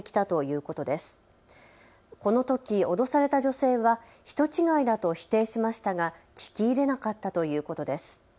このとき脅された女性は人違いだと否定しましたが聞き入れなかったということです。